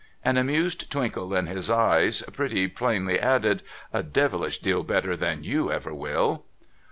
An amused twinkle in his eyes pretty plainly added —' A devilish deal better than you ever will